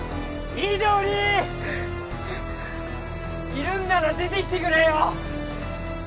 いるんなら出てきてくれよ！